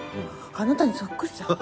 あなたにそっくりだわ。